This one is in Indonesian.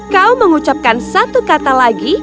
kau mengucapkan satu kata lagi